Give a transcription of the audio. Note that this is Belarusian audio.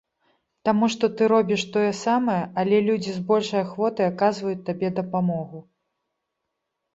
Таму што ты робіш тое самае, але людзі з большай ахвотай аказваюць табе дапамогу.